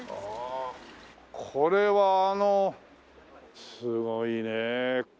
これはあのすごいね。